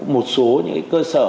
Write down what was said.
một số những cái cơ sở